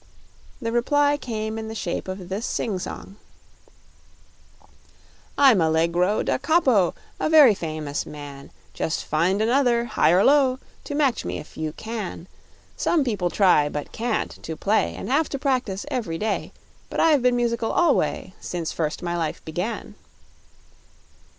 The reply came in the shape of this sing song: I'm Allegro da Capo, a very famous man; Just find another, high or low, to match me if you can. Some people try, but can't, to play And have to practice every day; But I've been musical always, since first my life began.